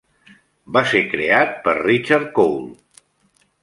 Va ser creat per Richard Cole.